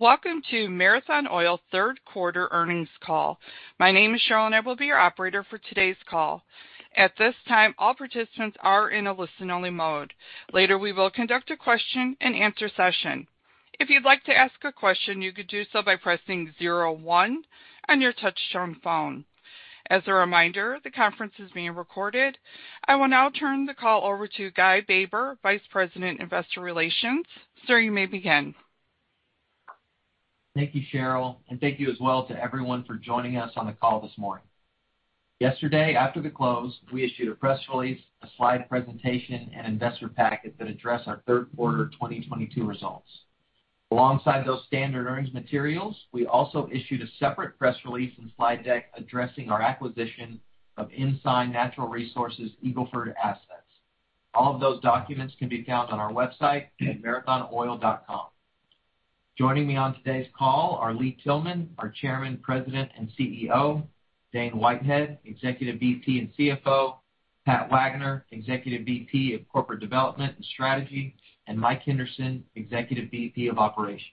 Welcome to Marathon Oil Third Quarter Earnings Call. My name is Cheryl, and I will be your operator for today's call. At this time, all participants are in a listen-only mode. Later, we will conduct a question-and-answer session. If you'd like to ask a question, you could do so by pressing zero one on your touch tone phone. As a reminder, the conference is being recorded. I will now turn the call over to Guy Baber, Vice President, Investor Relations. Sir, you may begin. Thank you, Cheryl, and thank you as well to everyone for joining us on the call this morning. Yesterday, after the close, we issued a press release, a slide presentation, and investor packet that address our third quarter 2022 results. Alongside those standard earnings materials, we also issued a separate press release and slide deck addressing our acquisition of Ensign Natural Resources' Eagle Ford assets. All of those documents can be found on our website at marathonoil.com. Joining me on today's call are Lee Tillman, our Chairman, President, and CEO, Dane Whitehead, Executive VP and CFO, Pat Wagner, Executive VP of Corporate Development and Strategy, and Mike Henderson, Executive VP of Operations.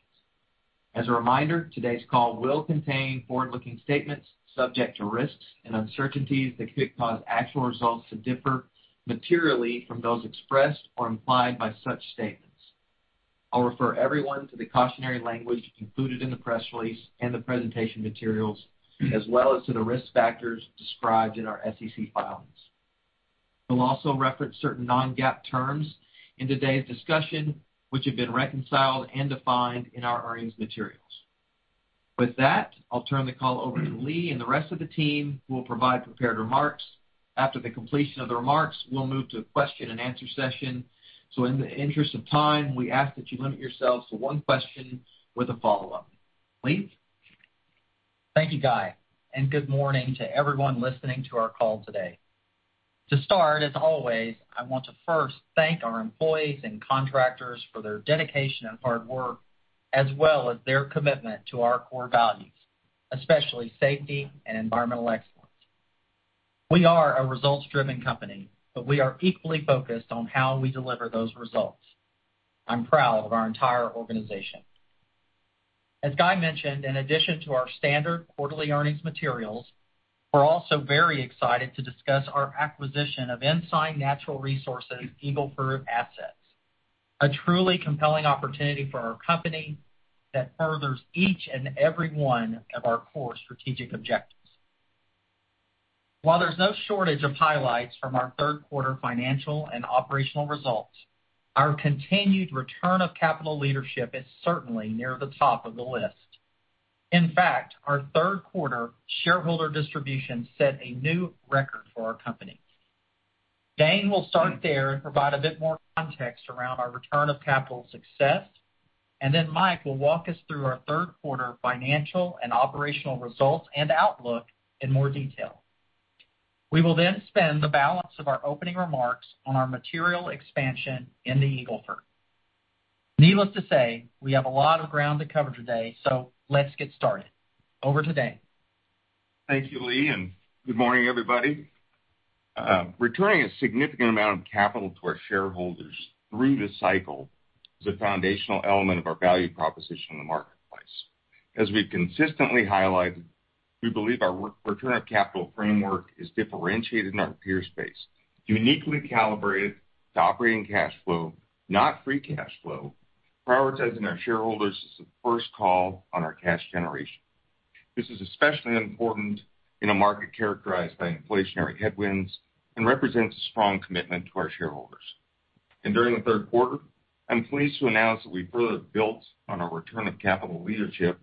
As a reminder, today's call will contain forward-looking statements subject to risks and uncertainties that could cause actual results to differ materially from those expressed or implied by such statements. I'll refer everyone to the cautionary language included in the press release and the presentation materials, as well as to the risk factors described in our SEC filings. We'll also reference certain non-GAAP terms in today's discussion, which have been reconciled and defined in our earnings materials. With that, I'll turn the call over to Lee and the rest of the team who will provide prepared remarks. After the completion of the remarks, we'll move to a question-and-answer session. In the interest of time, we ask that you limit yourselves to one question with a follow-up. Lee? Thank you, Guy, and good morning to everyone listening to our call today. To start, as always, I want to first thank our employees and contractors for their dedication and hard work, as well as their commitment to our core values, especially safety and environmental excellence. We are a results-driven company, but we are equally focused on how we deliver those results. I'm proud of our entire organization. As Guy mentioned, in addition to our standard quarterly earnings materials, we're also very excited to discuss our acquisition of Ensign Natural Resources' Eagle Ford assets, a truly compelling opportunity for our company that furthers each and every one of our core strategic objectives. While there's no shortage of highlights from our third quarter financial and operational results, our continued return of capital leadership is certainly near the top of the list. In fact, our third quarter shareholder distribution set a new record for our company. Dane will start there and provide a bit more context around our return of capital success, and then Mike will walk us through our third quarter financial and operational results and outlook in more detail. We will then spend the balance of our opening remarks on our material expansion in the Eagle Ford. Needless to say, we have a lot of ground to cover today, so let's get started. Over to Dane. Thank you, Lee, and good morning, everybody. Returning a significant amount of capital to our shareholders through this cycle is a foundational element of our value proposition in the marketplace. As we've consistently highlighted, we believe our return on capital framework is differentiated in our peer space, uniquely calibrated to operating cash flow, not free cash flow, prioritizing our shareholders as the first call on our cash generation. This is especially important in a market characterized by inflationary headwinds and represents a strong commitment to our shareholders. During the third quarter, I'm pleased to announce that we further built on our return of capital leadership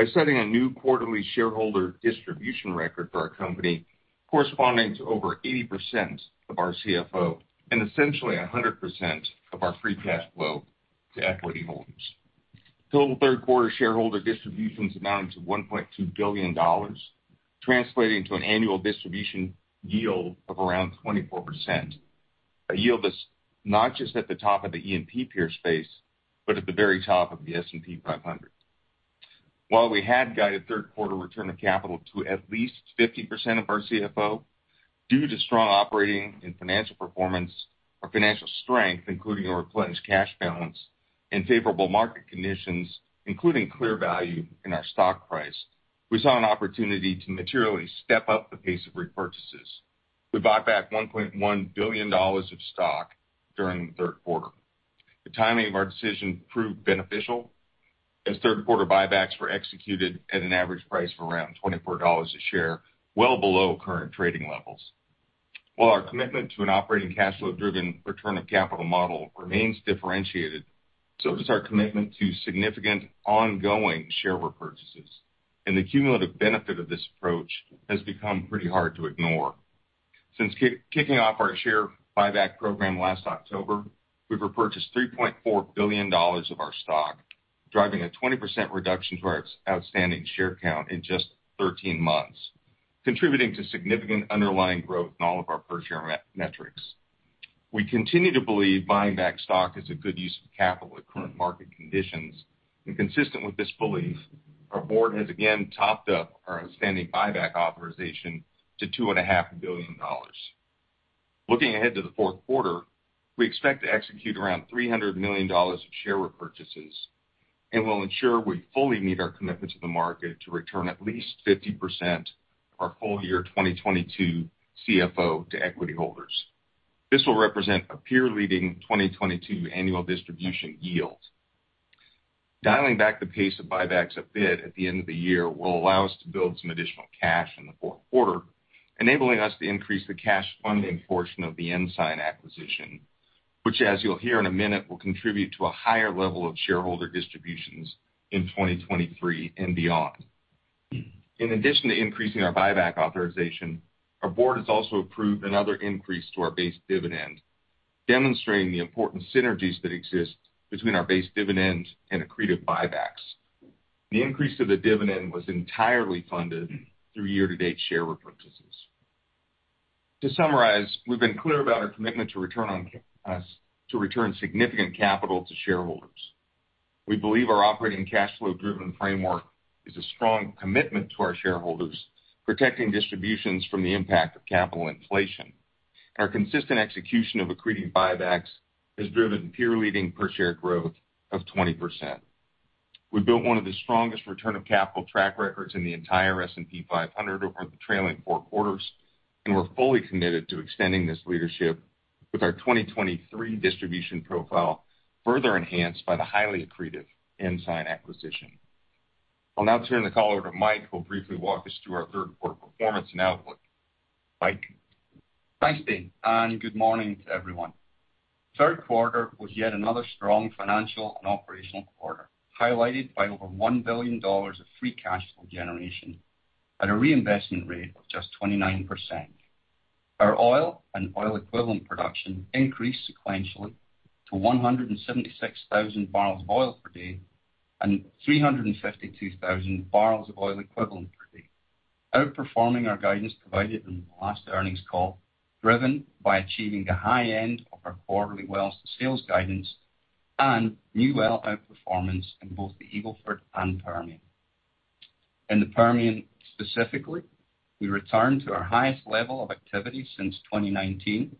by setting a new quarterly shareholder distribution record for our company, corresponding to over 80% of our CFO and essentially 100% of our free cash flow to equity holders. Total third-quarter shareholder distributions amounting to $1.2 billion, translating to an annual distribution yield of around 24%, a yield that's not just at the top of the E&P peer space, but at the very top of the S&P 500. While we had guided third-quarter return of capital to at least 50% of our CFO, due to strong operating and financial performance, our financial strength, including our replenished cash balance and favorable market conditions, including clear value in our stock price, we saw an opportunity to materially step up the pace of repurchases. We bought back $1.1 billion of stock during the third quarter. The timing of our decision proved beneficial as third-quarter buybacks were executed at an average price of around $24 a share, well below current trading levels. While our commitment to an operating cash flow-driven return of capital model remains differentiated, so does our commitment to significant ongoing share repurchases. The cumulative benefit of this approach has become pretty hard to ignore. Since kicking off our share buyback program last October, we've repurchased $3.4 billion of our stock, driving a 20% reduction to our outstanding share count in just 13 months, contributing to significant underlying growth in all of our per-share metrics. We continue to believe buying back stock is a good use of capital at current market conditions. Consistent with this belief, our board has again topped up our outstanding buyback authorization to $2.5 billion. Looking ahead to the fourth quarter, we expect to execute around $300 million of share repurchases, and we'll ensure we fully meet our commitment to the market to return at least 50% of our full year 2022 CFO to equity holders. This will represent a peer-leading 2022 annual distribution yield. Dialing back the pace of buybacks a bit at the end of the year will allow us to build some additional cash in the fourth quarter, enabling us to increase the cash funding portion of the Ensign acquisition, which, as you'll hear in a minute, will contribute to a higher level of shareholder distributions in 2023 and beyond. In addition to increasing our buyback authorization, our board has also approved another increase to our base dividend, demonstrating the important synergies that exist between our base dividends and accretive buybacks. The increase to the dividend was entirely funded through year-to-date share repurchases. To summarize, we've been clear about our commitment to return significant capital to shareholders. We believe our operating cash flow-driven framework is a strong commitment to our shareholders, protecting distributions from the impact of capital inflation. Our consistent execution of accretive buybacks has driven peer-leading per share growth of 20%. We've built one of the strongest return of capital track records in the entire S&P 500 over the trailing four quarters, and we're fully committed to extending this leadership with our 2023 distribution profile, further enhanced by the highly accretive Ensign acquisition. I'll now turn the call over to Mike, who'll briefly walk us through our third quarter performance and outlook. Mike? Thanks, Dane, and good morning to everyone. Third quarter was yet another strong financial and operational quarter, highlighted by over $1 billion of free cash flow generation at a reinvestment rate of just 29%. Our oil and oil equivalent production increased sequentially to 176,000 barrels of oil per day and 352,000 barrels of oil equivalent per day, outperforming our guidance provided in the last earnings call, driven by achieving the high end of our quarterly wells to sales guidance and new well outperformance in both the Eagle Ford and Permian. In the Permian specifically, we returned to our highest level of activity since 2019.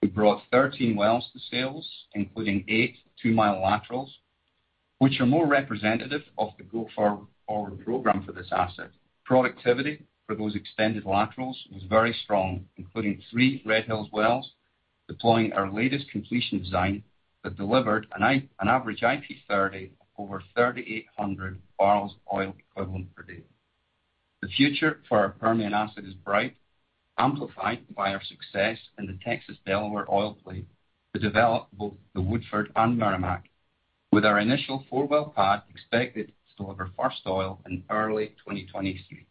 We brought 13 wells to sales, including eight 2-mile laterals, which are more representative of the go-forward program for this asset. Productivity for those extended laterals was very strong, including three Red Hills wells deploying our latest completion design that delivered an average IP30 of over 3,800 barrels of oil equivalent per day. The future for our Permian asset is bright, amplified by our success in the Texas Delaware oil play to develop both the Woodford and Meramec, with our initial four-well pad expected to deliver first oil in early 2023.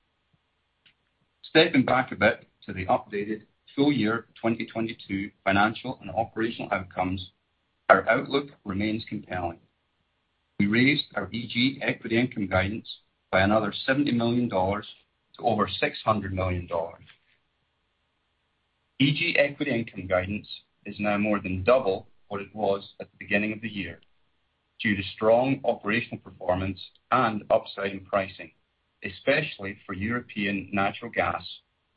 Stepping back a bit to the updated full year 2022 financial and operational outcomes, our outlook remains compelling. We raised our EG equity income guidance by another $70 million to over $600 million. EG equity income guidance is now more than double what it was at the beginning of the year due to strong operational performance and upside in pricing, especially for European natural gas,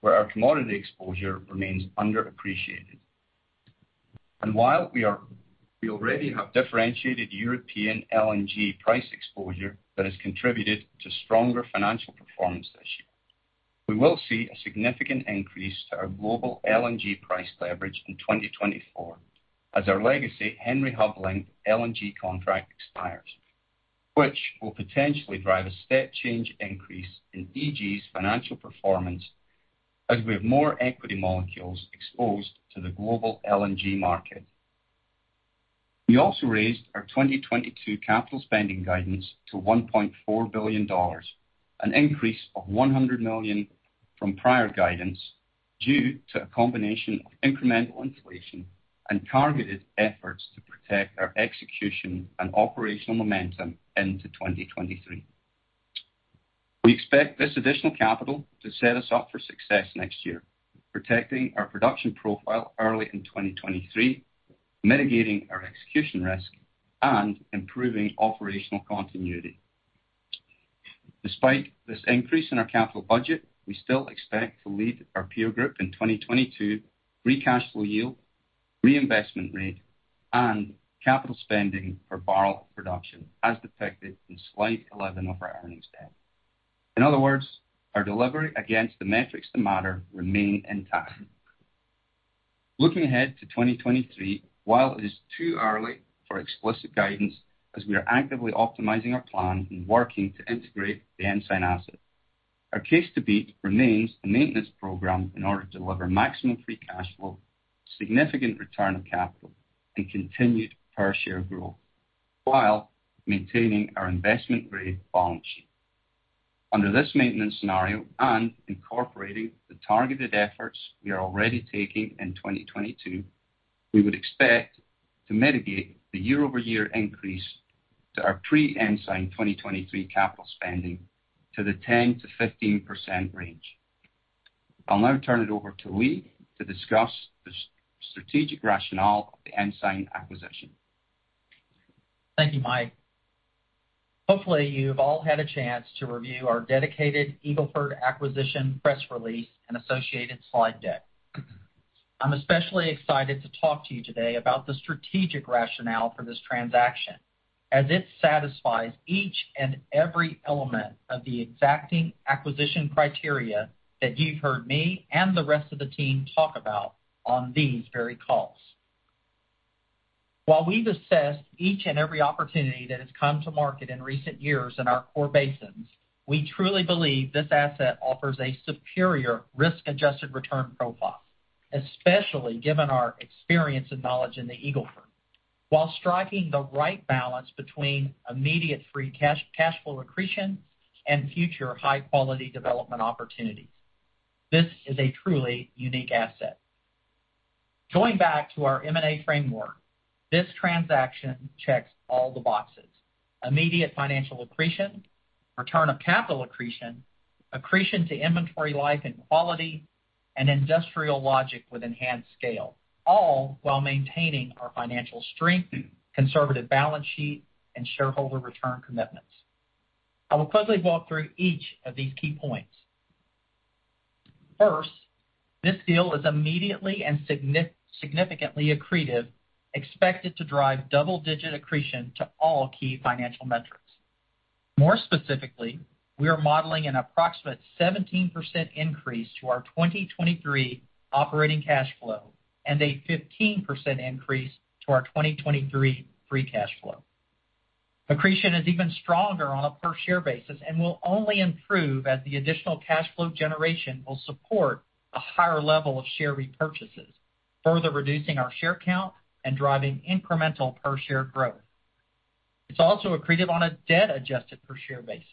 where our commodity exposure remains underappreciated. While we already have differentiated European LNG price exposure that has contributed to stronger financial performance this year. We will see a significant increase to our global LNG price leverage in 2024 as our legacy Henry Hub linked LNG contract expires, which will potentially drive a step change increase in EG's financial performance as we have more equity molecules exposed to the global LNG market. We also raised our 2022 capital spending guidance to $1.4 billion, an increase of $100 million from prior guidance due to a combination of incremental inflation and targeted efforts to protect our execution and operational momentum into 2023. We expect this additional capital to set us up for success next year, protecting our production profile early in 2023, mitigating our execution risk, and improving operational continuity. Despite this increase in our capital budget, we still expect to lead our peer group in 2022 free cash flow yield, reinvestment rate, and capital spending per barrel of production, as depicted in slide 11 of our earnings deck. In other words, our delivery against the metrics that matter remain intact. Looking ahead to 2023, while it is too early for explicit guidance as we are actively optimizing our plan and working to integrate the Ensign asset, our case to beat remains a maintenance program in order to deliver maximum free cash flow, significant return of capital, and continued per share growth while maintaining our investment-grade balance sheet. Under this maintenance scenario and incorporating the targeted efforts we are already taking in 2022, we would expect to mitigate the year-over-year increase to our pre-Ensign 2023 capital spending to the 10%-15% range. I'll now turn it over to Lee to discuss the strategic rationale of the Ensign acquisition. Thank you, Mike. Hopefully, you've all had a chance to review our dedicated Eagle Ford acquisition press release and associated slide deck. I'm especially excited to talk to you today about the strategic rationale for this transaction as it satisfies each and every element of the exacting acquisition criteria that you've heard me and the rest of the team talk about on these very calls. While we've assessed each and every opportunity that has come to market in recent years in our core basins, we truly believe this asset offers a superior risk-adjusted return profile, especially given our experience and knowledge in the Eagle Ford. While striking the right balance between immediate free cash flow accretion and future high-quality development opportunities. This is a truly unique asset. Going back to our M&A framework, this transaction checks all the boxes. Immediate financial accretion, return of capital accretion to inventory life and quality, and industrial logic with enhanced scale, all while maintaining our financial strength, conservative balance sheet, and shareholder return commitments. I will quickly walk through each of these key points. First, this deal is immediately and significantly accretive, expected to drive double-digit accretion to all key financial metrics. More specifically, we are modeling an approximate 17% increase to our 2023 operating cash flow and a 15% increase to our 2023 free cash flow. Accretion is even stronger on a per share basis and will only improve as the additional cash flow generation will support a higher level of share repurchases, further reducing our share count and driving incremental per share growth. It's also accretive on a debt-adjusted per share basis.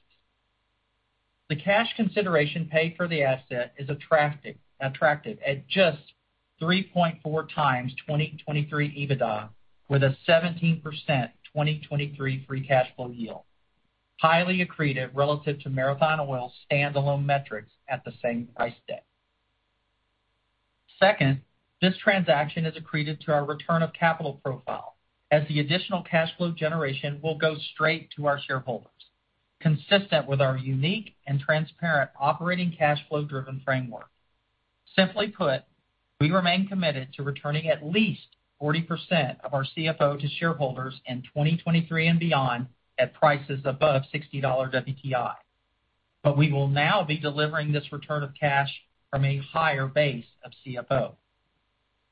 The cash consideration paid for the asset is attractive at just 3.4x 2023 EBITDA with a 17% 2023 free cash flow yield. Highly accretive relative to Marathon Oil's standalone metrics at the same price deck. Second, this transaction is accretive to our return of capital profile, as the additional cash flow generation will go straight to our shareholders, consistent with our unique and transparent operating cash-flow-driven framework. Simply put, we remain committed to returning at least 40% of our CFO to shareholders in 2023 and beyond at prices above $60 WTI. We will now be delivering this return of cash from a higher base of CFO.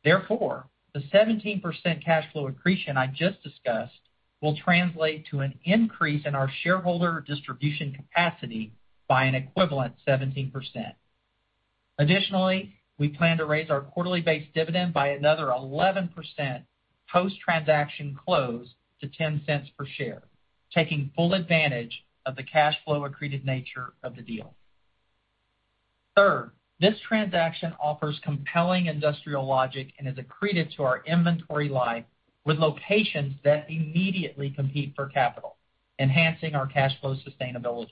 Therefore, the 17% cash flow accretion I just discussed will translate to an increase in our shareholder distribution capacity by an equivalent 17%. Additionally, we plan to raise our quarterly base dividend by another 11% post-transaction close to $0.10 per share, taking full advantage of the cash flow accreted nature of the deal. Third, this transaction offers compelling industrial logic and is accretive to our inventory life with locations that immediately compete for capital, enhancing our cash flow sustainability.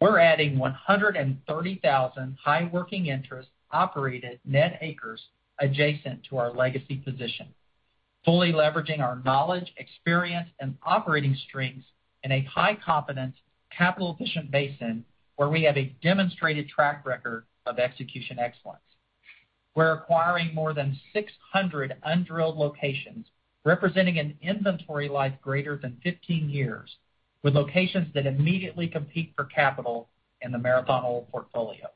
We're adding 130,000 high working interest operated net acres adjacent to our legacy position, fully leveraging our knowledge, experience, and operating strengths in a high-confidence, capital-efficient basin where we have a demonstrated track record of execution excellence. We're acquiring more than 600 undrilled locations, representing an inventory life greater than 15 years, with locations that immediately compete for capital in the Marathon Oil portfolio.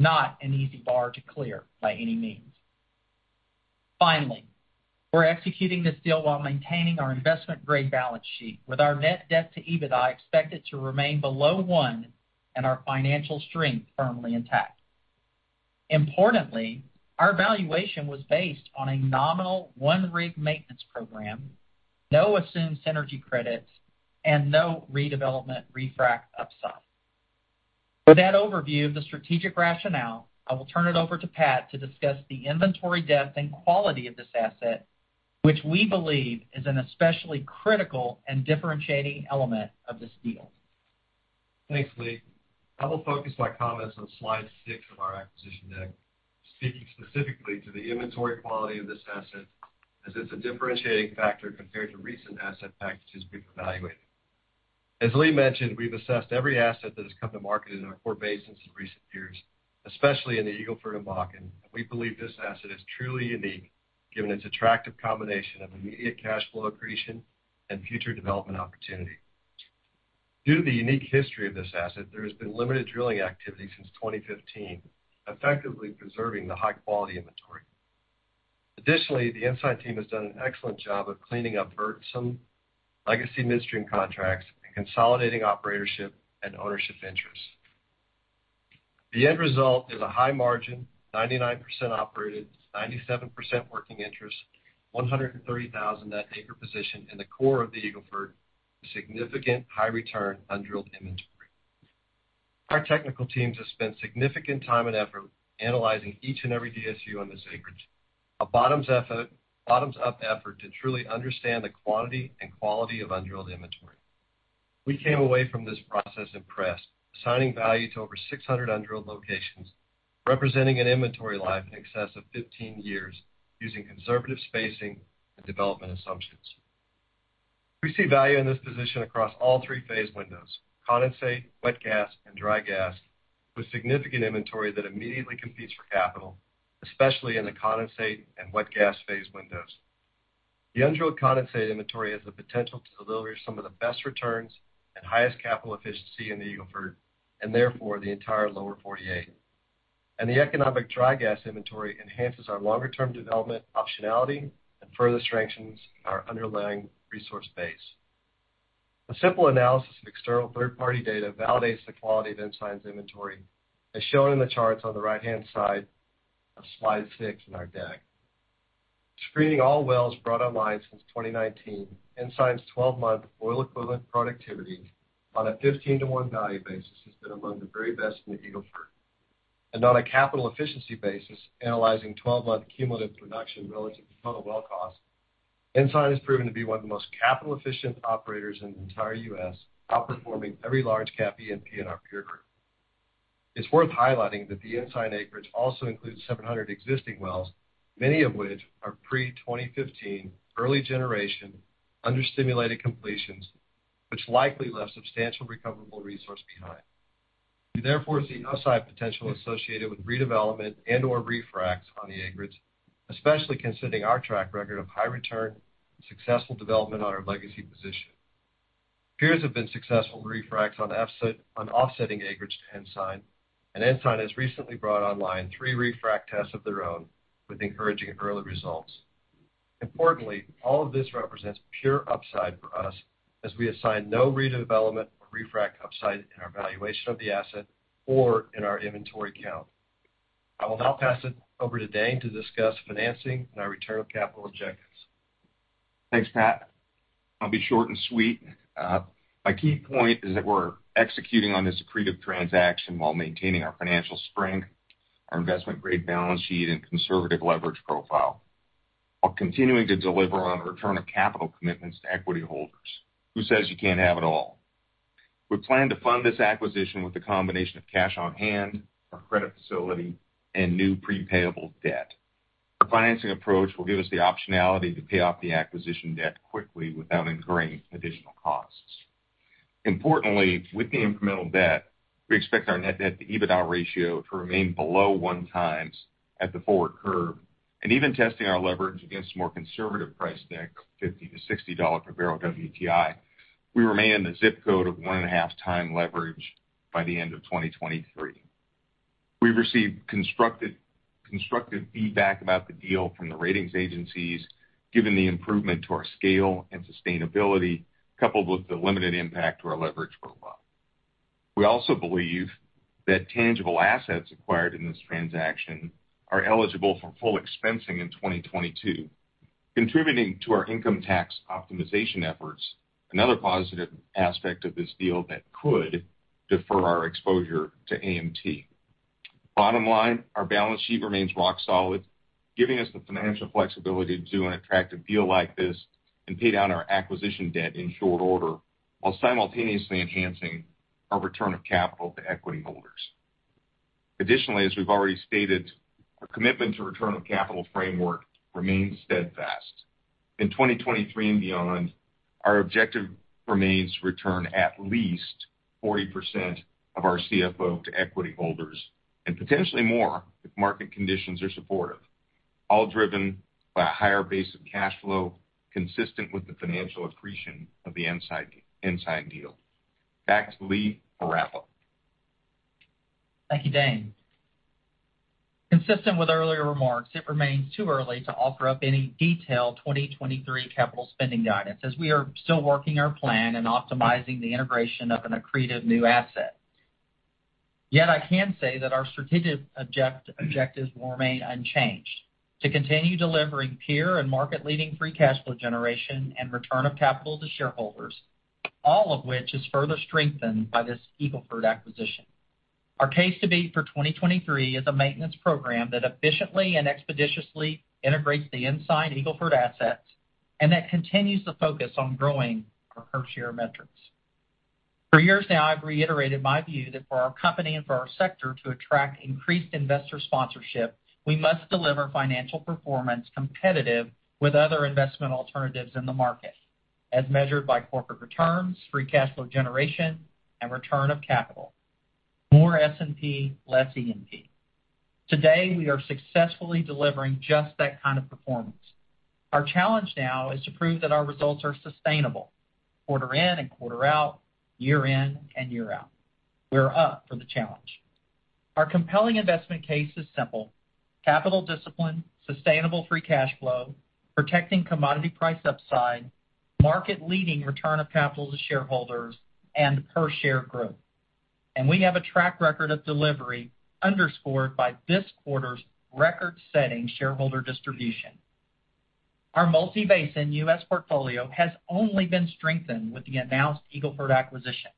Not an easy bar to clear by any means. Finally, we're executing this deal while maintaining our investment-grade balance sheet, with our net debt to EBITDA expected to remain below one and our financial strength firmly intact. Importantly, our valuation was based on a nominal one-rig maintenance program, no assumed synergy credits, and no redevelopment refrac upside. With that overview of the strategic rationale, I will turn it over to Pat to discuss the inventory depth and quality of this asset, which we believe is an especially critical and differentiating element of this deal. Thanks, Lee. I will focus my comments on slide six of our acquisition deck, speaking specifically to the inventory quality of this asset as it's a differentiating factor compared to recent asset packages we've evaluated. As Lee mentioned, we've assessed every asset that has come to market in our core basins in recent years, especially in the Eagle Ford and Bakken, and we believe this asset is truly unique given its attractive combination of immediate cash flow accretion and future development opportunity. Due to the unique history of this asset, there has been limited drilling activity since 2015, effectively preserving the high-quality inventory. Additionally, the in-house team has done an excellent job of cleaning up burdensome legacy midstream contracts and consolidating operatorship and ownership interests. The end result is a high margin, 99% operated, 97% working interest, 130,000 net acre position in the core of the Eagle Ford, significant high return undrilled inventory. Our technical teams have spent significant time and effort analyzing each and every DSU on this acreage, a bottoms-up effort to truly understand the quantity and quality of undrilled inventory. We came away from this process impressed, assigning value to over 600 undrilled locations, representing an inventory life in excess of 15 years using conservative spacing and development assumptions. We see value in this position across all three phase windows, condensate, wet gas, and dry gas, with significant inventory that immediately competes for capital, especially in the condensate and wet gas phase windows. The undrilled condensate inventory has the potential to deliver some of the best returns and highest capital efficiency in the Eagle Ford, and therefore, the entire Lower 48. The economic dry gas inventory enhances our longer-term development optionality and further strengthens our underlying resource base. A simple analysis of external third-party data validates the quality of Ensign's inventory, as shown in the charts on the right-hand side of slide six in our deck. Screening all wells brought online since 2019, Ensign's 12-month oil equivalent productivity on a 15-to-1 value basis has been among the very best in the Eagle Ford. On a capital efficiency basis, analyzing 12-month cumulative production relative to total well cost, Ensign has proven to be one of the most capital-efficient operators in the entire U.S., outperforming every large-cap E&P in our peer group. It's worth highlighting that the Ensign acreage also includes 700 existing wells, many of which are pre-2015, early generation, under-stimulated completions, which likely left substantial recoverable resource behind. We therefore see upside potential associated with redevelopment and/or refracs on the acreage, especially considering our track record of high return and successful development on our legacy position. Peers have been successful refracs on offsetting acreage to Ensign, and Ensign has recently brought online three refrac tests of their own with encouraging early results. Importantly, all of this represents pure upside for us as we assign no redevelopment or refrac upside in our valuation of the asset or in our inventory count. I will now pass it over to Dane to discuss financing and our return of capital objectives. Thanks, Pat. I'll be short and sweet. My key point is that we're executing on this accretive transaction while maintaining our financial strength, our investment-grade balance sheet, and conservative leverage profile, while continuing to deliver on our return of capital commitments to equity holders. Who says you can't have it all? We plan to fund this acquisition with a combination of cash on hand, our credit facility, and new pre-payable debt. Our financing approach will give us the optionality to pay off the acquisition debt quickly without incurring additional costs. Importantly, with the incremental debt, we expect our net debt to EBITDA ratio to remain below 1x at the forward curve. Even testing our leverage against more conservative price deck, $50-$60 per barrel WTI, we remain in the zip code of 1.5x leverage by the end of 2023. We've received constructive feedback about the deal from the ratings agencies, given the improvement to our scale and sustainability, coupled with the limited impact to our leverage profile. We also believe that tangible assets acquired in this transaction are eligible for full expensing in 2022, contributing to our income tax optimization efforts, another positive aspect of this deal that could defer our exposure to AMT. Bottom line, our balance sheet remains rock solid, giving us the financial flexibility to do an attractive deal like this and pay down our acquisition debt in short order while simultaneously enhancing our return of capital to equity holders. Additionally, as we've already stated, our commitment to return of capital framework remains steadfast. In 2023 and beyond, our objective remains to return at least 40% of our CFO to equity holders and potentially more if market conditions are supportive, all driven by a higher base of cash flow consistent with the financial accretion of the Ensign deal. Back to Lee for wrap-up. Thank you, Dane. Consistent with earlier remarks, it remains too early to offer up any detailed 2023 capital spending guidance, as we are still working our plan and optimizing the integration of an accretive new asset. Yet, I can say that our strategic objectives will remain unchanged. To continue delivering peer and market-leading free cash flow generation and return of capital to shareholders, all of which is further strengthened by this Eagle Ford acquisition. Our base case for 2023 is a maintenance program that efficiently and expeditiously integrates the Ensign Eagle Ford assets and that continues to focus on growing our per-share metrics. For years now, I've reiterated my view that for our company and for our sector to attract increased investor sponsorship, we must deliver financial performance competitive with other investment alternatives in the market, as measured by corporate returns, free cash flow generation, and return of capital. More S&P, less E&P. Today, we are successfully delivering just that kind of performance. Our challenge now is to prove that our results are sustainable quarter in and quarter out, year in and year out. We're up for the challenge. Our compelling investment case is simple. Capital discipline, sustainable free cash flow, protecting commodity price upside, market-leading return of capital to shareholders, and per-share growth. We have a track record of delivery underscored by this quarter's record-setting shareholder distribution. Our multi-basin U.S. portfolio has only been strengthened with the announced Eagle Ford acquisition.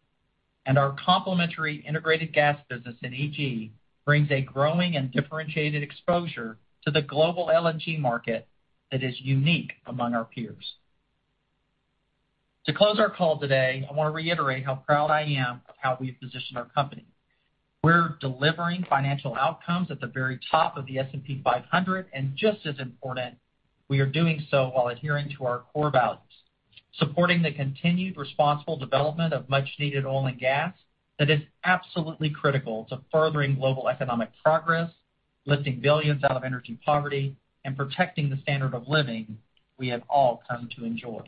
Our complementary integrated gas business in EG brings a growing and differentiated exposure to the global LNG market that is unique among our peers. To close our call today, I wanna reiterate how proud I am of how we've positioned our company. We're delivering financial outcomes at the very top of the S&P 500, and just as important, we are doing so while adhering to our core values, supporting the continued responsible development of much-needed oil and gas that is absolutely critical to furthering global economic progress, lifting billions out of energy poverty, and protecting the standard of living we have all come to enjoy.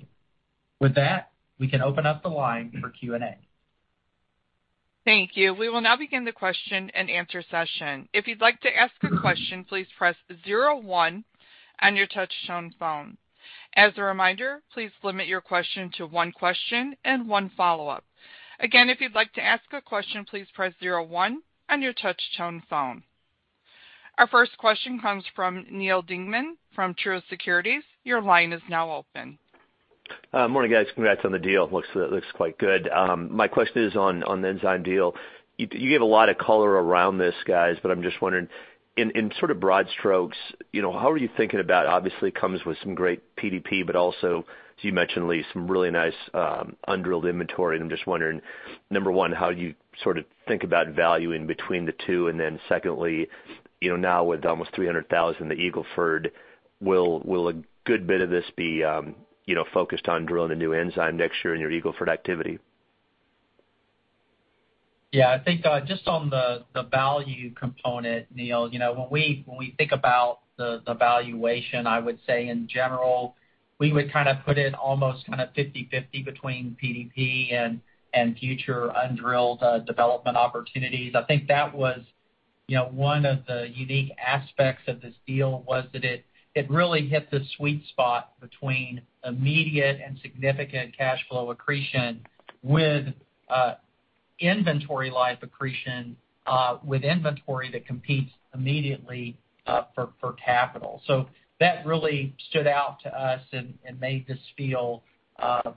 With that, we can open up the line for Q&A. Thank you. We will now begin the question-and-answer session. If you'd like to ask a question, please press zero one on your touchtone phone. As a reminder, please limit your question to one question and one follow-up. Again, if you'd like to ask a question, please press zero one on your touchtone phone. Our first question comes from Neal Dingmann from Truist Securities. Your line is now open. Morning, guys. Congrats on the deal. Looks quite good. My question is on the Ensign deal. You gave a lot of color around this, guys, but I'm just wondering in sort of broad strokes, you know, how are you thinking about obviously comes with some great PDP, but also, as you mentioned, Lee, some really nice undrilled inventory. I'm just wondering, number one, how you sort of think about value in between the two. Then secondly, you know, now with almost 300,000 in the Eagle Ford, will a good bit of this be, you know, focused on drilling a new Ensign next year in your Eagle Ford activity? Yeah. I think just on the value component, Neal, you know, when we think about the valuation, I would say in general, we would kind of put in almost kind of 50/50 between PDP and future undrilled development opportunities. I think that was you know one of the unique aspects of this deal was that it really hit the sweet spot between immediate and significant cash flow accretion with inventory life accretion with inventory that competes immediately for capital. That really stood out to us and made this feel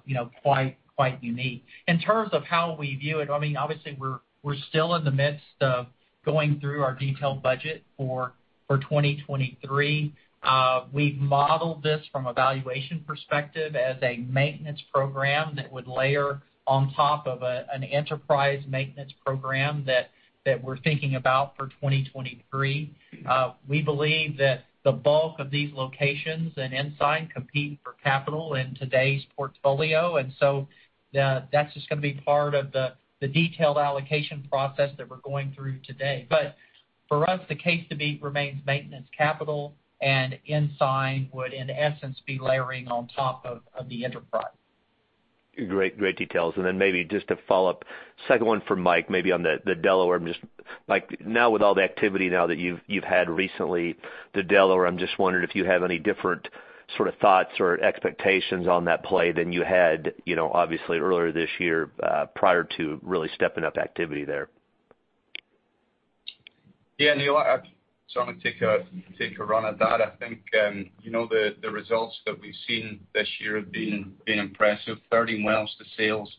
you know quite unique. In terms of how we view it, I mean, obviously we're still in the midst of going through our detailed budget for 2023. We've modeled this from a valuation perspective as a maintenance program that would layer on top of an enterprise maintenance program that we're thinking about for 2023. We believe that the bulk of these locations in Ensign compete for capital in today's portfolio. That's just gonna be part of the detailed allocation process that we're going through today. For us, the case to beat remains maintenance capital, and Ensign would, in essence, be layering on top of the enterprise. Great. Great details. Maybe just to follow up, second one for Mike, maybe on the Delaware. Just, Mike, now with all the activity now that you've had recently, the Delaware, I'm just wondering if you have any different sort of thoughts or expectations on that play than you had, you know, obviously earlier this year, prior to really stepping up activity there. Yeah, Neal, I'm gonna take a run at that. I think you know, the results that we've seen this year have been impressive. 13 wells to sales,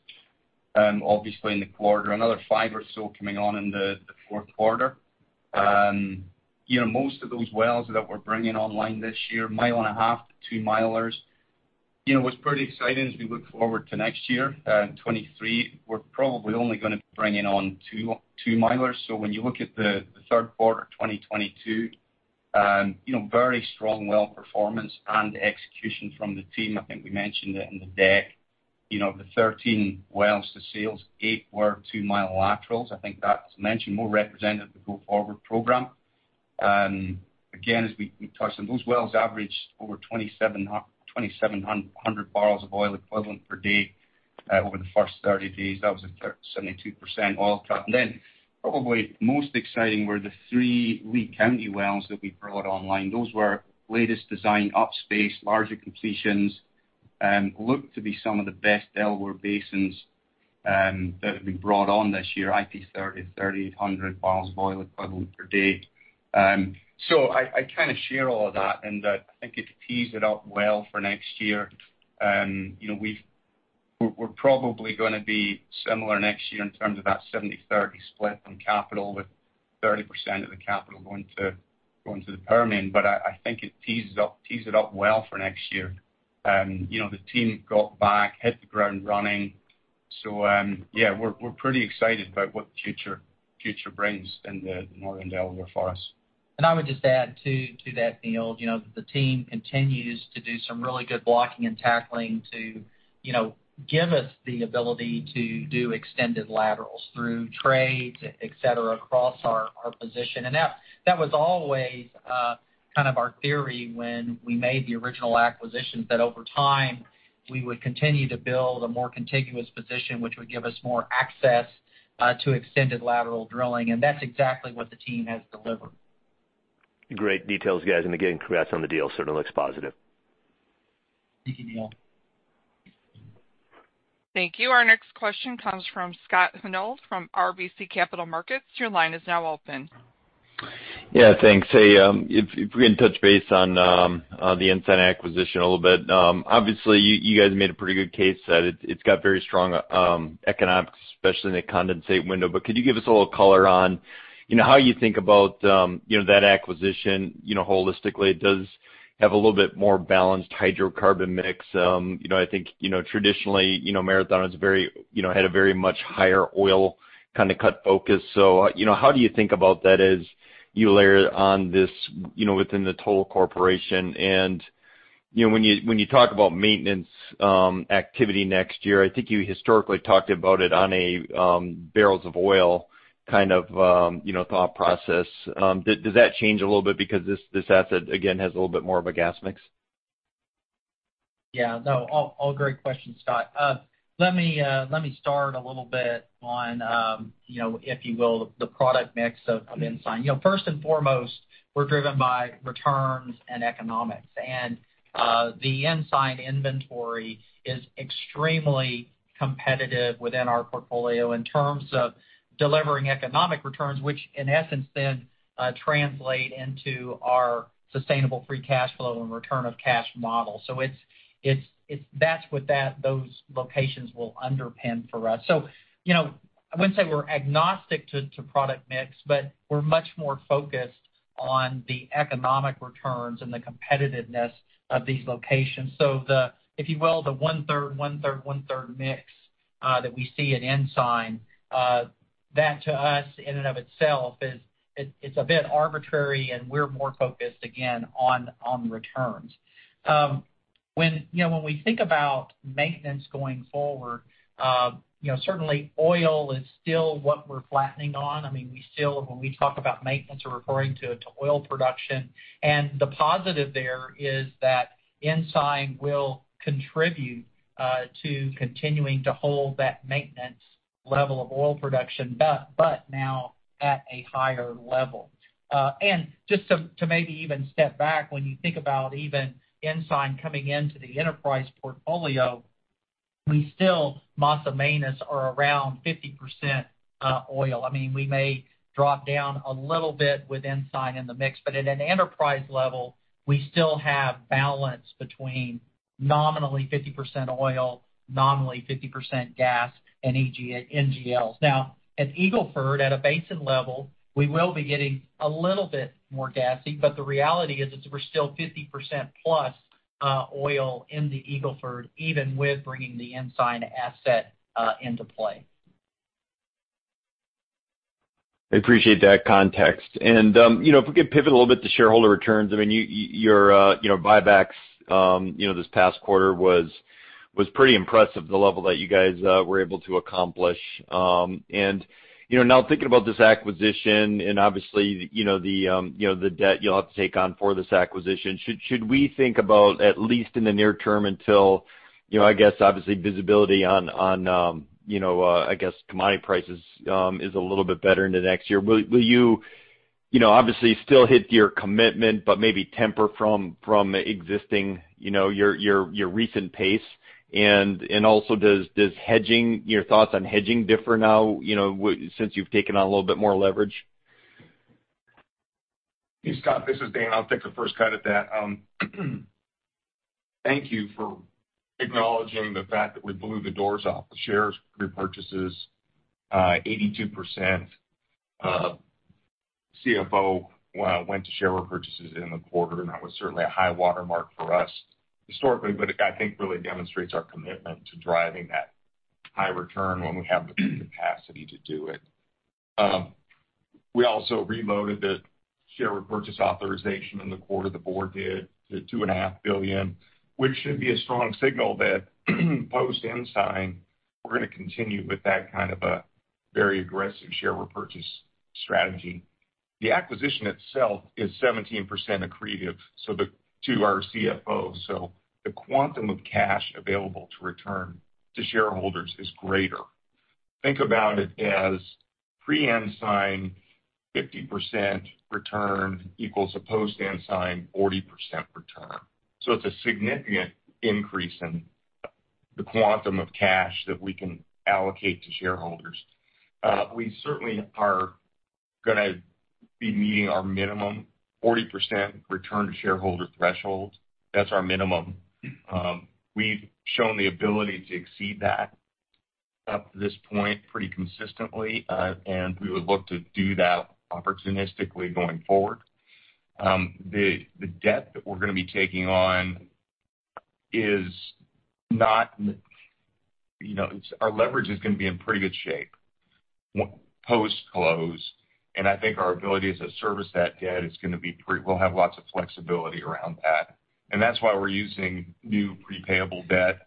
obviously in the quarter, another five or so coming on in the fourth quarter. You know, most of those wells that we're bringing online this year, 1.5-mile to 2-milers. You know, what's pretty exciting as we look forward to next year, in 2023, we're probably only gonna be bringing on two 2-milers. When you look at the third quarter 2022, you know, very strong well performance and execution from the team. I think we mentioned it in the deck. You know, the 13 wells to sales, eight were 2-mile laterals. I think that's more representative of the go-forward program. Again, as we touched on, those wells averaged over 2,700 barrels of oil equivalent per day over the first 30 days. That was a 72% oil cut. Then probably most exciting were the three Lee County wells that we brought online. Those were latest design, up-spaced, larger completions, look to be some of the best Delaware Basin, that have been brought on this year, IP30 3,800 barrels of oil equivalent per day. I kinda share all of that in that I think it tees it up well for next year. You know, we're probably gonna be similar next year in terms of that 70/30 split on capital with 30% of the capital going to the Permian. I think it tees it up well for next year. You know, the team got back, hit the ground running. Yeah, we're pretty excited about what the future brings in the northern Delaware for us. I would just add, too, to that, Neal, you know, the team continues to do some really good blocking and tackling to, you know, give us the ability to do extended laterals through trades, etc., across our position. That was always kind of our theory when we made the original acquisitions, that over time, we would continue to build a more contiguous position, which would give us more access to extended lateral drilling, and that's exactly what the team has delivered. Great details, guys. Again, congrats on the deal. Certainly looks positive. Thank you, Neal. Thank you. Our next question comes from Scott Hanold from RBC Capital Markets. Your line is now open. Yeah. Thanks. Hey, if we can touch base on the Ensign acquisition a little bit. Obviously you guys made a pretty good case that it's got very strong economics, especially in the condensate window. Could you give us a little color on, you know, how you think about you know, that acquisition, you know, holistically? It does have a little bit more balanced hydrocarbon mix. You know, I think, you know, traditionally, you know, Marathon is very, you know, had a very much higher oil kind of cut focus. You know, how do you think about that as you layer it on this, you know, within the total corporation? You know, when you talk about maintenance activity next year, I think you historically talked about it on a barrels of oil kind of, you know, thought process. Does that change a little bit because this asset again has a little bit more of a gas mix? Yeah. No. All great questions, Scott. Let me start a little bit on, you know, if you will, the product mix of Ensign. You know, first and foremost, we're driven by returns and economics. The Ensign inventory is extremely competitive within our portfolio in terms of delivering economic returns, which in essence then translate into our sustainable free cash flow and return of cash model. It's what those locations will underpin for us. You know, I wouldn't say we're agnostic to product mix, but we're much more focused on the economic returns and the competitiveness of these locations. If you will, the 1/3, 1/3, 1/3 mix that we see at Ensign, that to us in and of itself is. It's a bit arbitrary, and we're more focused again on returns. You know, when we think about maintenance going forward, you know, certainly oil is still what we're flattening on. I mean, we still, when we talk about maintenance, we're referring to oil production. The positive there is that Ensign will contribute to continuing to hold that maintenance level of oil production, but now at a higher level. Just to maybe even step back, when you think about even Ensign coming into the enterprise portfolio, we still have a mix that's around 50% oil. I mean, we may drop down a little bit with Ensign in the mix. At an enterprise level, we still have balance between nominally 50% oil, nominally 50% gas and NGLs. Now, at Eagle Ford, at a basin level, we will be getting a little bit more gassy, but the reality is we're still 50%+ oil in the Eagle Ford, even with bringing the Ensign asset into play. I appreciate that context. You know, if we could pivot a little bit to shareholder returns. I mean, your, you know, buybacks, you know, this past quarter was pretty impressive, the level that you guys were able to accomplish. You know, now thinking about this acquisition and obviously, you know, the debt you'll have to take on for this acquisition, should we think about at least in the near term until, you know, I guess obviously visibility on, you know, I guess commodity prices is a little bit better into next year. Will you know, obviously still hit your commitment, but maybe temper from existing, you know, your recent pace? Also, does hedging, your thoughts on hedging, differ now, you know, since you've taken on a little bit more leverage? Hey, Scott, this is Dane. I'll take the first cut at that. Thank you for acknowledging the fact that we blew the doors off the share repurchases, 82% CFO went to share repurchases in the quarter. That was certainly a high watermark for us historically, but I think really demonstrates our commitment to driving that high return when we have the capacity to do it. We also reloaded the share repurchase authorization in the quarter. The board did to $2.5 billion, which should be a strong signal that post Ensign, we're gonna continue with that kind of a very aggressive share repurchase strategy. The acquisition itself is 17% accretive, so to our CFOs. So the quantum of cash available to return to shareholders is greater. Think about it as pre-Ensign 50% return equals a post-Ensign 40% return. It's a significant increase in the quantum of cash that we can allocate to shareholders. We certainly are gonna be meeting our minimum 40% return to shareholder threshold. That's our minimum. We've shown the ability to exceed that up to this point pretty consistently. We would look to do that opportunistically going forward. The debt that we're gonna be taking on is not, you know, it's. Our leverage is gonna be in pretty good shape post close, and I think our ability to service that debt is gonna be. We'll have lots of flexibility around that. That's why we're using new prepayable debt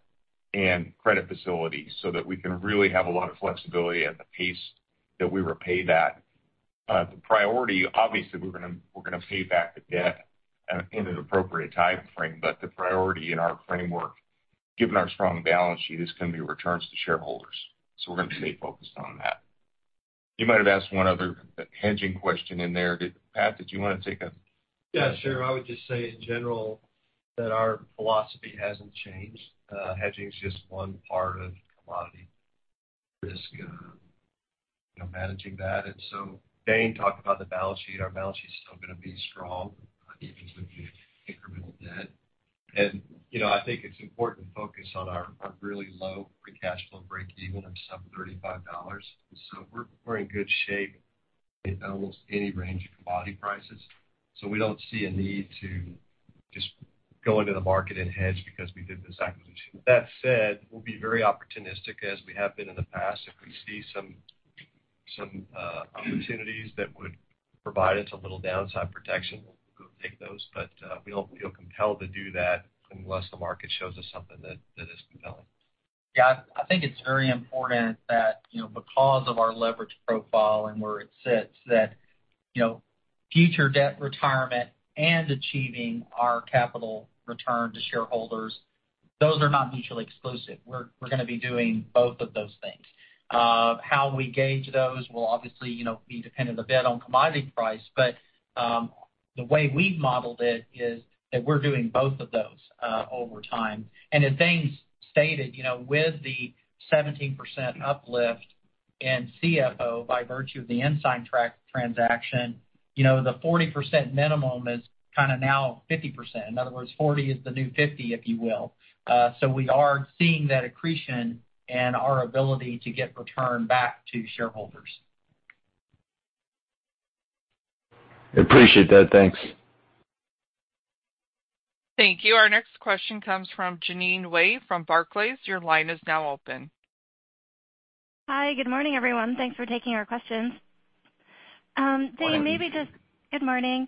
and credit facilities so that we can really have a lot of flexibility at the pace that we repay that. The priority, obviously, we're gonna pay back the debt in an appropriate timeframe. The priority in our framework, given our strong balance sheet, is gonna be returns to shareholders. We're gonna stay focused on that. You might have asked one other hedging question in there. Pat, did you wanna take a- Yeah, sure. I would just say in general that our philosophy hasn't changed. Hedging is just one part of commodity. Risk of, you know, managing that. Dane talked about the balance sheet. Our balance sheet is still gonna be strong even with the incremental debt. You know, I think it's important to focus on our really low free cash flow breakeven of sub $35. We're in good shape in almost any range of commodity prices. We don't see a need to just go into the market and hedge because we did this acquisition. That said, we'll be very opportunistic, as we have been in the past. If we see some opportunities that would provide us a little downside protection, we'll go take those. We don't feel compelled to do that unless the market shows us something that is compelling. Yeah. I think it's very important that, you know, because of our leverage profile and where it sits, that, you know, future debt retirement and achieving our capital return to shareholders, those are not mutually exclusive. We're gonna be doing both of those things. How we gauge those will obviously, you know, be dependent a bit on commodity price, but the way we've modeled it is that we're doing both of those over time. As Dane stated, you know, with the 17% uplift in CFO by virtue of the Ensign transaction, you know, the 40% minimum is kinda now 50%. In other words, 40% is the new 50%, if you will. So we are seeing that accretion and our ability to get return back to shareholders. Appreciate that. Thanks. Thank you. Our next question comes from Jeanine Wai from Barclays. Your line is now open. Hi. Good morning, everyone. Thanks for taking our questions. Dane, maybe just- Morning. Good morning.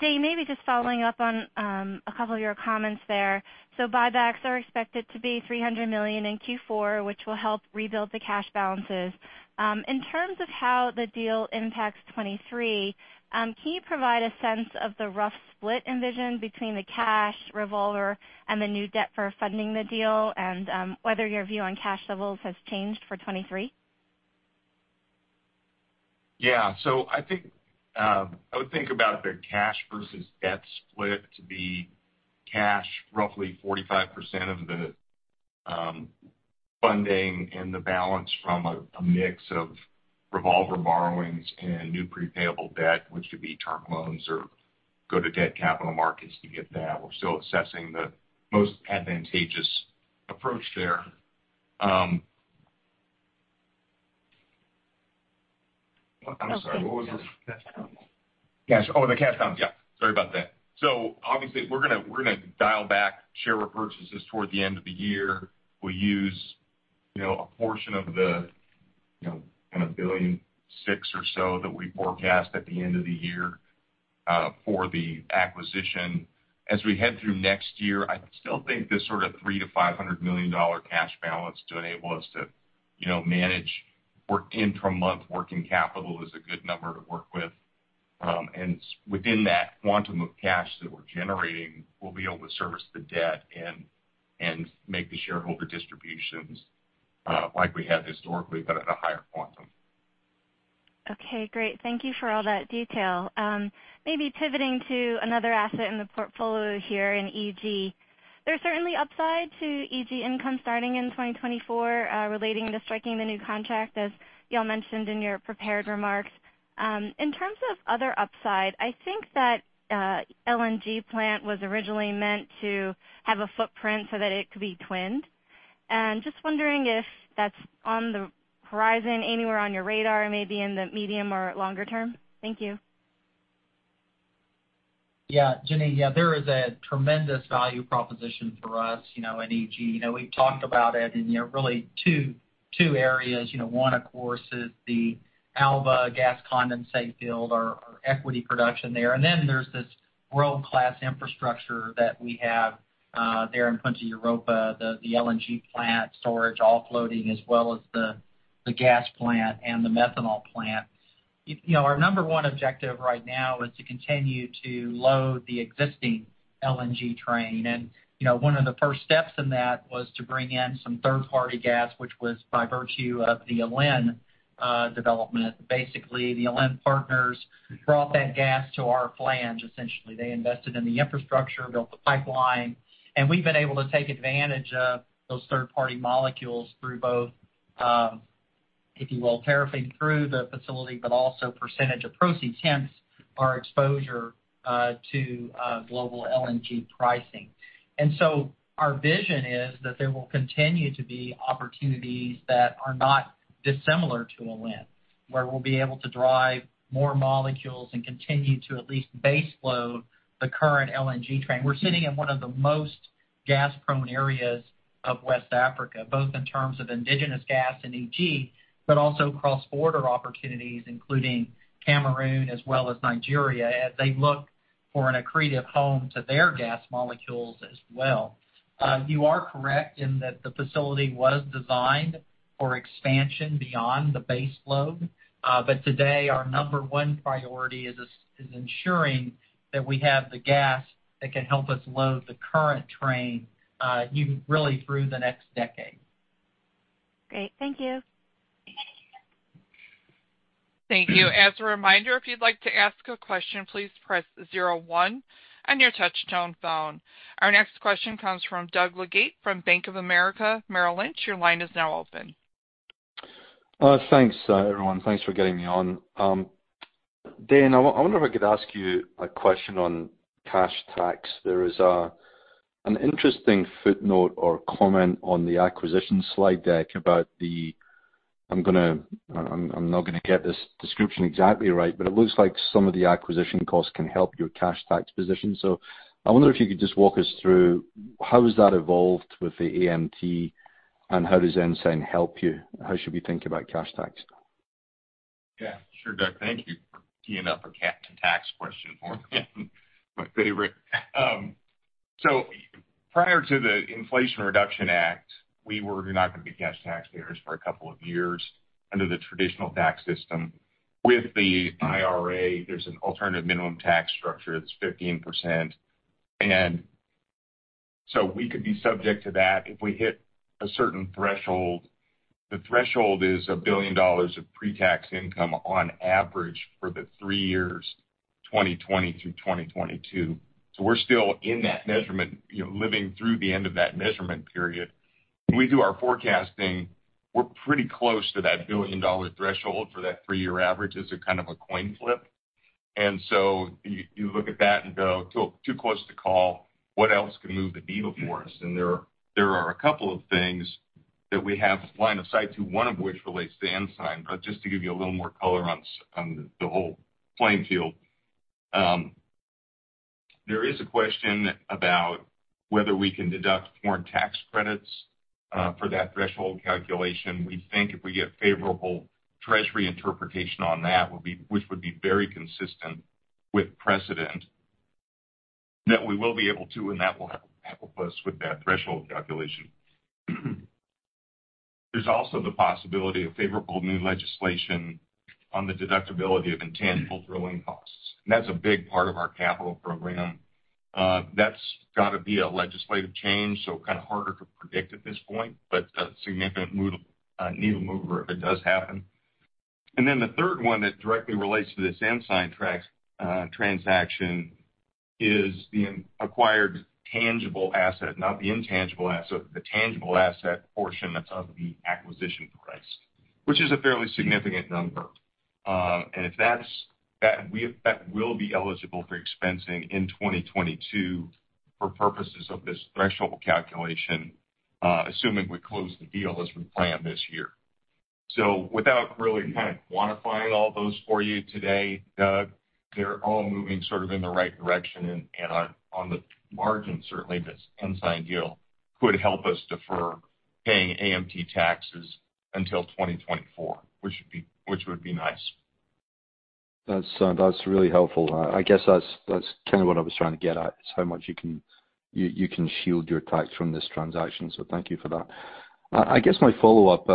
Dane, maybe just following up on a couple of your comments there. Buybacks are expected to be $300 million in Q4, which will help rebuild the cash balances. In terms of how the deal impacts 2023, can you provide a sense of the rough split envisioned between the cash revolver and the new debt for funding the deal and whether your view on cash levels has changed for 2023? Yeah. I think, I would think about the cash versus debt split to be cash, roughly 45% of the funding and the balance from a mix of revolver borrowings and new pre-payable debt, which could be term loans or go to debt capital markets to get that. We're still assessing the most advantageous approach there. I'm sorry, what was the- Cash out. Cash. Oh, the cash out, yeah. Sorry about that. Obviously, we're gonna dial back share repurchases toward the end of the year. We'll use, you know, a portion of the, you know, kind of $1.6 billion or so that we forecast at the end of the year, for the acquisition. As we head through next year, I still think this sort of $300 million-$500 million cash balance to enable us to, you know, manage intra-month working capital is a good number to work with. And within that quantum of cash that we're generating, we'll be able to service the debt and make the shareholder distributions, like we have historically, but at a higher quantum. Okay, great. Thank you for all that detail. Maybe pivoting to another asset in the portfolio here in EG. There's certainly upside to EG income starting in 2024, relating to striking the new contract, as y'all mentioned in your prepared remarks. In terms of other upside, I think that LNG plant was originally meant to have a footprint so that it could be twinned. Just wondering if that's on the horizon anywhere on your radar, maybe in the medium or longer term. Thank you. Yeah. Jeanine, yeah, there is a tremendous value proposition for us, you know, in EG. You know, we've talked about it in, you know, really two areas. You know, one of course is the Alba Gas Condensate field, our equity production there. There's this world-class infrastructure that we have there in Punta Europa, the LNG plant, storage, offloading, as well as the gas plant and the methanol plant. You know, our number one objective right now is to continue to load the existing LNG train. You know, one of the first steps in that was to bring in some third-party gas, which was by virtue of the Alen development. Basically, the Alen partners brought that gas to our flange, essentially. They invested in the infrastructure, built the pipeline, and we've been able to take advantage of those third-party molecules through both, if you will, tariffing through the facility, but also percentage of proceeds, hence our exposure to global LNG pricing. Our vision is that there will continue to be opportunities that are not dissimilar to Alen, where we'll be able to drive more molecules and continue to at least base load the current LNG train. We're sitting in one of the most gas-prone areas of West Africa, both in terms of indigenous gas in EG, but also cross-border opportunities, including Cameroon as well as Nigeria, as they look for an accretive home to their gas molecules as well. You are correct in that the facility was designed for expansion beyond the base load. Today, our number one priority is ensuring that we have the gas that can help us load the current train really through the next decade. Great. Thank you. Thank you. As a reminder, if you'd like to ask a question, please press zero one on your touchtone phone. Our next question comes from Doug Leggate from Bank of America Merrill Lynch. Your line is now open. Thanks, everyone. Thanks for getting me on. Dane, I wonder if I could ask you a question on cash tax. There is an interesting footnote or comment on the acquisition slide deck about. I'm not gonna get this description exactly right, but it looks like some of the acquisition costs can help your cash tax position. I wonder if you could just walk us through how has that evolved with the AMT and how does Ensign help you? How should we think about cash tax? Yeah, sure, Doug. Thank you for teeing up a tax question for me. My favorite. Prior to the Inflation Reduction Act, we were not gonna be cash taxpayers for a couple of years under the traditional tax system. With the IRA, there's an alternative minimum tax structure that's 15%. We could be subject to that if we hit a certain threshold. The threshold is $1 billion of pre-tax income on average for the three years, 2020 through 2022. We're still in that measurement, you know, living through the end of that measurement period. When we do our forecasting, we're pretty close to that billion-dollar threshold for that three-year average as a kind of a coin flip. You look at that and go, "Too close to call. What else can move the needle for us?" There are a couple of things that we have line of sight to, one of which relates to Ensign. Just to give you a little more color on the whole playing field, there is a question about whether we can deduct foreign tax credits for that threshold calculation. We think if we get favorable Treasury interpretation on that, which would be very consistent with precedent, that we will be able to, and that will help us with that threshold calculation. There's also the possibility of favorable new legislation on the deductibility of intangible drilling costs. That's a big part of our capital program. That's gotta be a legislative change, so kind of harder to predict at this point, but a significant needle mover if it does happen. The third one that directly relates to this Ensign transaction is the acquired tangible asset, not the intangible asset, the tangible asset portion of the acquisition price, which is a fairly significant number. That will be eligible for expensing in 2022 for purposes of this threshold calculation, assuming we close the deal as we plan this year. Without really kind of quantifying all those for you today, Doug, they're all moving sort of in the right direction. On the margin, certainly, this Ensign deal could help us defer paying AMT taxes until 2024, which would be nice. That's really helpful. I guess that's kind of what I was trying to get at, is how much you can shield your tax from this transaction. Thank you for that. I guess my follow-up,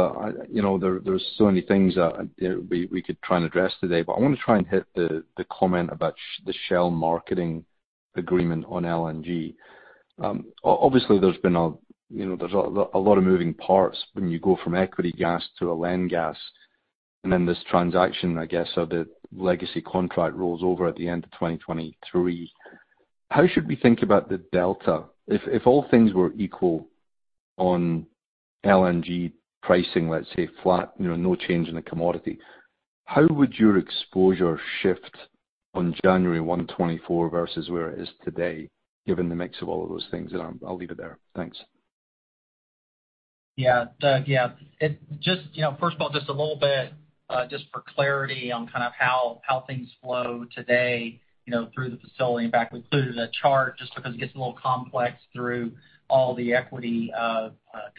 you know, there's so many things that we could try and address today, but I want to try and hit the comment about the Shell marketing agreement on LNG. Obviously, you know, there's a lot of moving parts when you go from equity gas to an Alen gas, and then this transaction, I guess, so the legacy contract rolls over at the end of 2023. How should we think about the delta? If all things were equal on LNG pricing, let's say flat, you know, no change in the commodity, how would your exposure shift on January 1, 2024 versus where it is today, given the mix of all of those things? I'll leave it there. Thanks. Yeah. Doug, yeah. It just, you know, first of all, just a little bit, just for clarity on kind of how things flow today, you know, through the facility. In fact, we've included a chart just because it gets a little complex through all the equity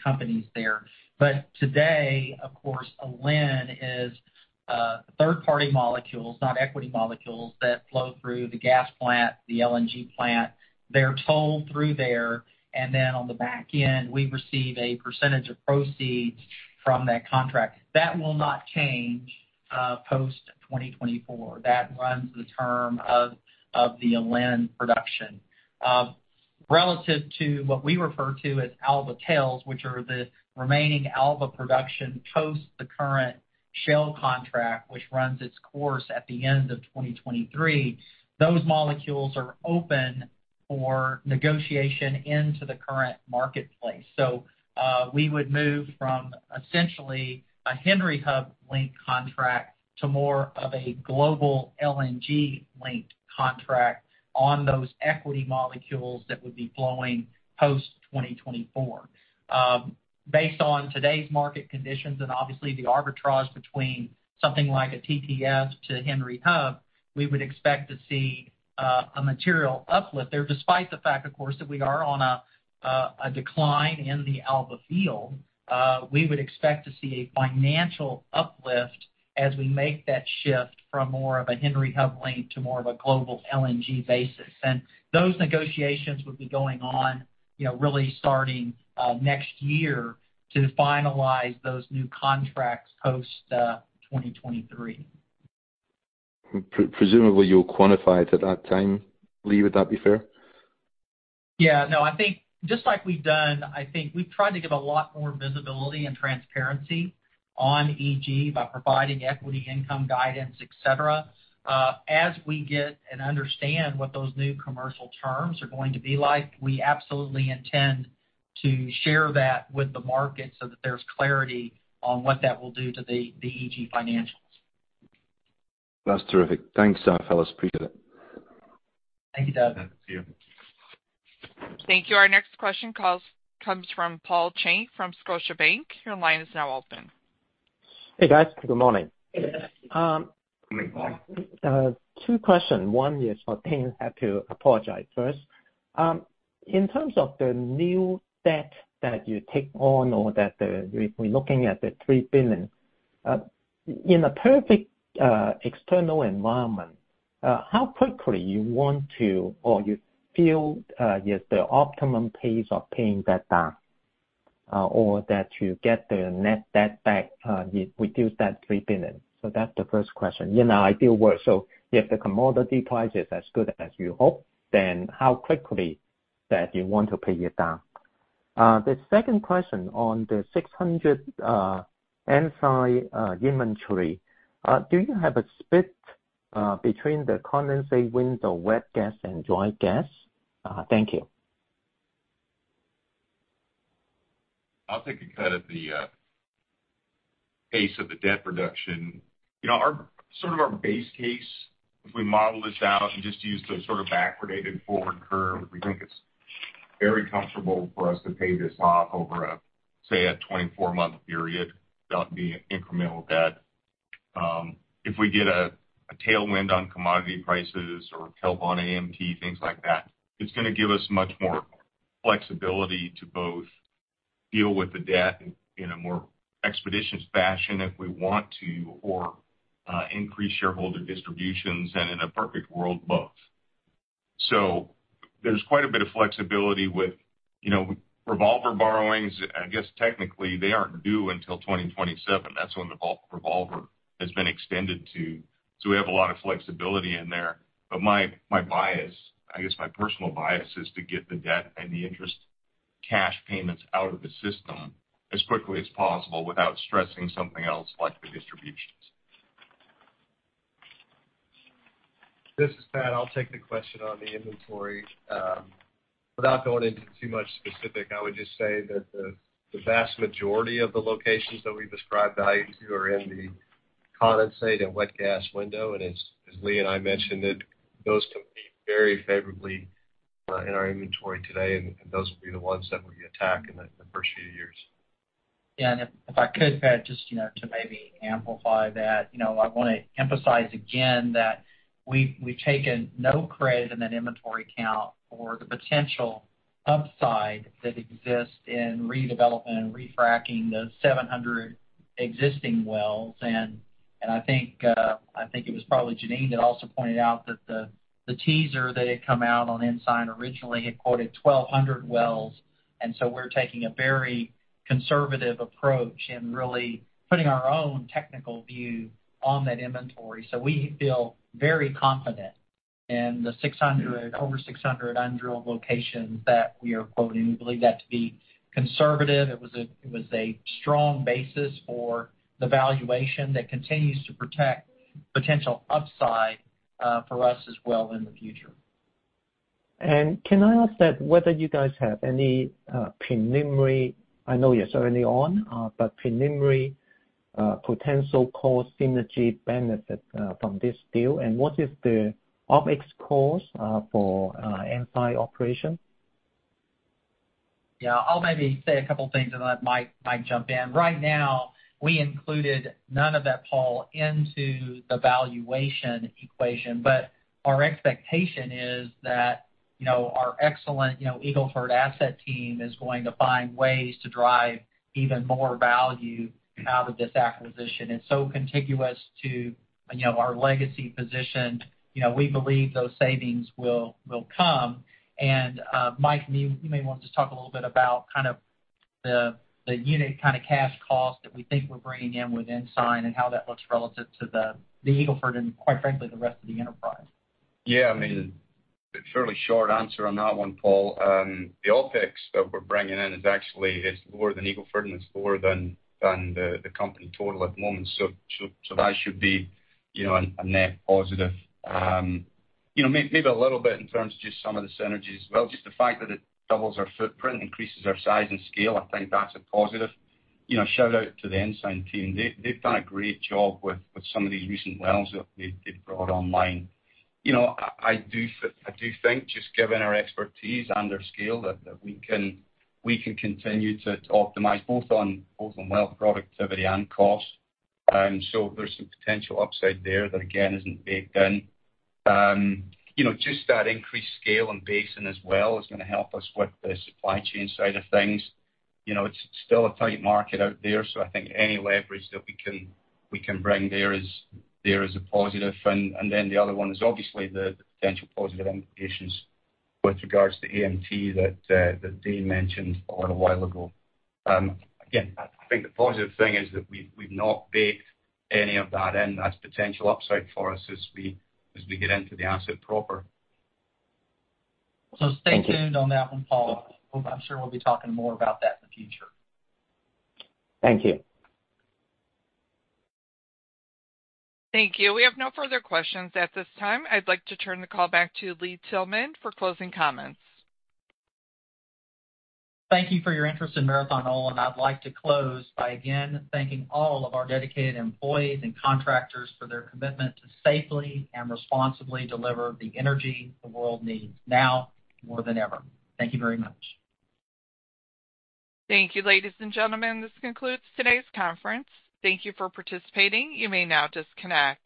companies there. But today, of course, Alen is third-party molecules, not equity molecules, that flow through the gas plant, the LNG plant. They're tolled through there, and then on the back end, we receive a percentage of proceeds from that contract. That will not change post-2024. That runs the term of the Alen production. Relative to what we refer to as Alba tails, which are the remaining Alba production post the current Shell contract, which runs its course at the end of 2023, those molecules are open for negotiation into the current marketplace. We would move from essentially a Henry Hub linked contract to more of a global LNG linked contract on those equity molecules that would be flowing post-2024. Based on today's market conditions and obviously the arbitrage between something like a TTF to Henry Hub, we would expect to see a material uplift there, despite the fact, of course, that we are on a decline in the Alen field. We would expect to see a financial uplift as we make that shift from more of a Henry Hub link to more of a global LNG basis. Those negotiations would be going on, you know, really starting next year to finalize those new contracts post-2023. Presumably, you'll quantify it at that time, Lee. Would that be fair? Yeah. No, I think just like we've done, I think we've tried to give a lot more visibility and transparency on EG by providing equity income guidance, etc. As we get and understand what those new commercial terms are going to be like, we absolutely intend to share that with the market so that there's clarity on what that will do to the EG financials. That's terrific. Thanks, fellas. Appreciate it. Thank you, Doug. Thank you. Thank you. Our next question comes from Paul Cheng from Scotiabank. Your line is now open. Hey, guys. Good morning. Good morning, Paul. Two questions. One is for Dane. I have to apologize first. In terms of the new debt that you take on or that we're looking at the $3 billion. In a perfect external environment, how quickly you want to or you feel is the optimum pace of paying that down? Or that you get the net debt back, you reduce that $3 billion? That's the first question. In an ideal world, if the commodity price is as good as you hope, then how quickly that you want to pay it down? The second question on the 600 Ensign inventory. Do you have a split between the condensate window wet gas and dry gas? Thank you. I'll take a cut at the pace of the debt reduction. You know, our sort of base case, if we model this out and just use the sort of backwardated forward curve, we think it's very comfortable for us to pay this off over a, say, a 24-month period, that would be incremental debt. If we get a tailwind on commodity prices or tailwind on AMT, things like that, it's gonna give us much more flexibility to both deal with the debt in a more expeditious fashion if we want to or increase shareholder distributions and in a perfect world, both. So there's quite a bit of flexibility with, you know, revolver borrowings. I guess, technically they aren't due until 2027. That's when the revolver has been extended to. So we have a lot of flexibility in there. My bias, I guess, my personal bias is to get the debt and the interest cash payments out of the system as quickly as possible without stressing something else like the distributions. This is Pat. I'll take the question on the inventory. Without going into too much specifics, I would just say that the vast majority of the locations that we've ascribed value to are in the condensate and wet gas window. As Lee and I mentioned, those compete very favorably in our inventory today, and those will be the ones that we attack in the first few years. Yeah. If I could, Pat, just, you know, to maybe amplify that. You know, I wanna emphasize again that we've taken no credit in that inventory count for the potential upside that exists in redevelopment and refracking those 700 existing wells. I think it was probably Jeanine that also pointed out that the teaser that had come out on Ensign originally had quoted 1,200 wells. We're taking a very conservative approach in really putting our own technical view on that inventory. We feel very confident in the 600, over 600 undrilled locations that we are quoting. We believe that to be conservative. It was a strong basis for the valuation that continues to protect potential upside for us as well in the future. Can I ask whether you guys have any preliminary, I know it's early on, preliminary potential cost synergy benefit from this deal? What is the OpEx cost for Ensign operation? Yeah. I'll maybe say a couple things and let Mike jump in. Right now, we included none of that, Paul, into the valuation equation. Our expectation is that, you know, our excellent, you know, Eagle Ford asset team is going to find ways to drive even more value out of this acquisition. It's so contiguous to, you know, our legacy position. You know, we believe those savings will come. Mike, you may want to talk a little bit about kind of the unit kinda cash cost that we think we're bringing in with Ensign and how that looks relative to the Eagle Ford and quite frankly, the rest of the enterprise. Yeah. I mean, fairly short answer on that one, Paul. The OpEx that we're bringing in is actually, it's lower than Eagle Ford and it's lower than the company total at the moment. So that should be, you know, a net positive. You know, maybe a little bit in terms of just some of the synergies as well, just the fact that it doubles our footprint, increases our size and scale. I think that's a positive. You know, shout out to the Ensign team. They've done a great job with some of the recent wells that they've brought online. You know, I do think just given our expertise and their scale, that we can continue to optimize both on well productivity and cost. There's some potential upside there that again, isn't baked in. You know, just that increased scale and basin as well is gonna help us with the supply chain side of things. You know, it's still a tight market out there, so I think any leverage that we can bring there is a positive. Then the other one is obviously the potential positive implications with regards to AMT that Dane mentioned a little while ago. Again, I think the positive thing is that we've not baked any of that in. That's potential upside for us as we get into the asset proper. Stay tuned on that one, Paul. I'm sure we'll be talking more about that in the future. Thank you. Thank you. We have no further questions at this time. I'd like to turn the call back to Lee Tillman for closing comments. Thank you for your interest in Marathon Oil, and I'd like to close by again thanking all of our dedicated employees and contractors for their commitment to safely and responsibly deliver the energy the world needs now more than ever. Thank you very much. Thank you, ladies and gentlemen. This concludes today's conference. Thank you for participating. You may now disconnect.